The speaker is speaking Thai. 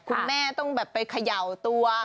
คุณแม่ต้องแบบไปเขย่าตัว